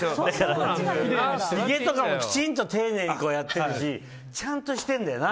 ひげとかもきちんと丁寧にやってるしちゃんとしてるんだよな。